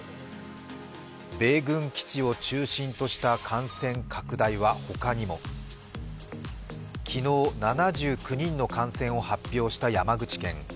米軍基地を中心とした感染拡大は他にも。昨日７９人の感染を発表した山口県。